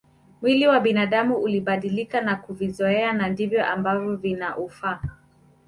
Mwili wa binadamu ulibadilika na kuvizoea na ndivyo ambavyo vinaufaa